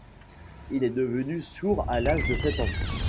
Il est devenu sourd à l'âge de sept ans.